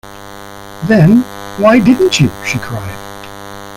“Then, why didn’t you?” she cried.